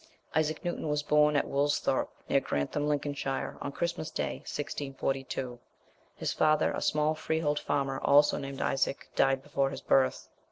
_ Isaac Newton was born at Woolsthorpe, near Grantham, Lincolnshire, on Christmas Day, 1642. His father, a small freehold farmer, also named Isaac, died before his birth.